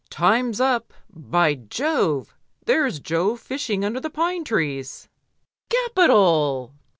"Time's up. By Jove! there's Jo fishing under the pine trees! Capital!